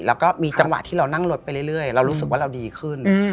แล้วก็มีจังหวะที่เรานั่งรถไปเรื่อยเรารู้สึกว่าเราดีขึ้น